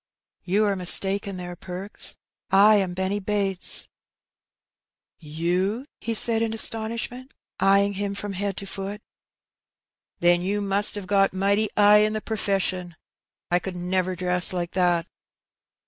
'^ You are mistaken there, Perks ; I am Benny Bates.^ '^ You !^' he said in astonishment, eyeing him from head to foot. ^^Then you must 'ave got mighty 'igh in the per feshun. I could never dress like that.